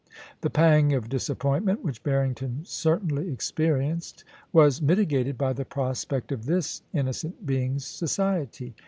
The pang of disappointment which Barrington certainly experienced was mitigated by the prospect of this innocent being's society.